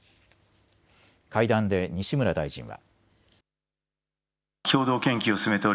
会談で西村大臣は。